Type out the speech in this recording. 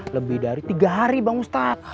lebih dari tiga hari bang ustadz